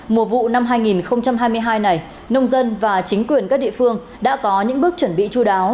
mùa vụ năm hai nghìn hai mươi hai này nông dân và chính quyền các địa phương đã có những bước chuẩn bị chú đáo